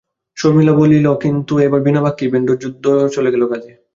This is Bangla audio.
শর্মিলা বললে, কিন্তু- এবার বিনা বাক্যেই ব্যান্ডেজসুদ্ধ চলে গেল কাজে।